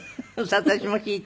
私も聞いた。